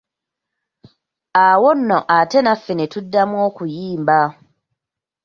Awo nno ate naffe netuddamu okuyimba.